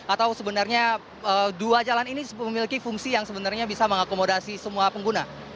atau sebenarnya dua jalan ini memiliki fungsi yang sebenarnya bisa mengakomodasi semua pengguna